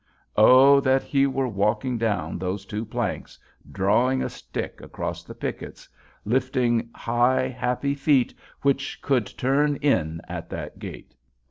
Oh, that he were walking down those two planks, drawing a stick across the pickets, lifting high happy feet which could turn in at that gate!